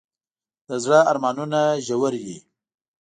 د زړه ارمانونه ژور وي.